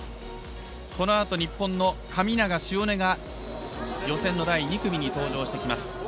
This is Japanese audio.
この後、日本の神長汐音が予選の第２組に登場してきます。